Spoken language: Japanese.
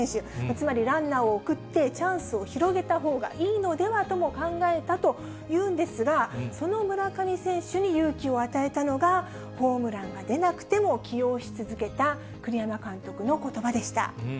つまり、ランナーを送って、チャンスを広げたほうがいいのではとも考えたというんですが、その村上選手に勇気を与えたのが、ホームランが出なくても、起用し続けた栗山監督のことばでした。